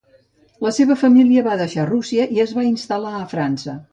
La seva família va deixar Rússia i es va instal·lar a França.